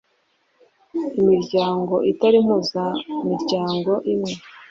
imiryango itari mu mpuzamiryango imwe